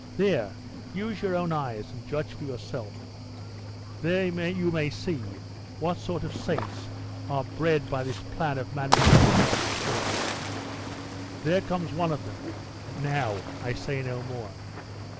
There use your own eyes, and judge for yourself. There you may see what sort of saints are bred by this plan of managing the Catholic Church. There comes one of them. Now! I say no more!